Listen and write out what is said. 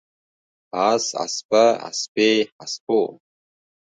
اس، اسپه، اسپې، اسپو